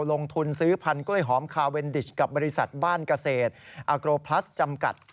ลงทุนซื้อพันธกล้วยหอมคาเวนดิชกับบริษัทบ้านเกษตรอาโกรพลัสจำกัด